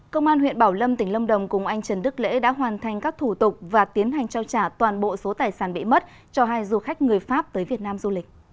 công an huyện bảo lâm tỉnh lâm đồng cùng anh trần đức lễ đã hoàn thành các thủ tục và tiến hành trao trả toàn bộ số tài sản bị mất cho hai du khách người pháp tới việt nam du lịch